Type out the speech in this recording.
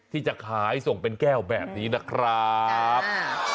ที่จะขายส่งเป็นแก้วแบบนี้นะครับ